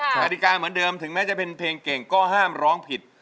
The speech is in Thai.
กฎิกาเหมือนเดิมถึงแม้จะเป็นเพลงเก่งก็ห้ามร้องผิด